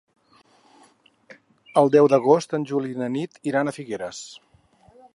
El deu d'agost en Juli i na Nit iran a Figueres.